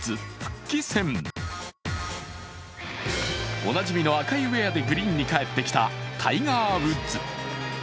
おなじみの赤いウェアでグリーンに帰ってきたタイガー・ウッズ。